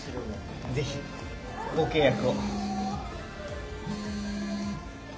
ぜひご契約を。